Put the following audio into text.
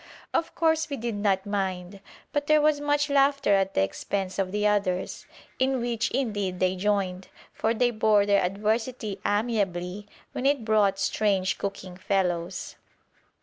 Of course we did not mind, but there was much laughter at the expense of the others, in which indeed they joined, for they bore their adversity amiably when it brought strange cooking fellows.